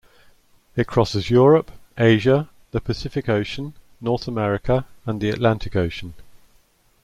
It crosses Europe, Asia, the Pacific Ocean, North America, and the Atlantic Ocean.